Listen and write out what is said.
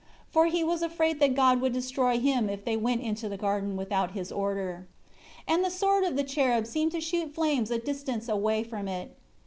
For he was afraid that God would destroy him if they went into the garden without His order. 5 And the sword of the cherub seemed to shoot flames a distance away from it.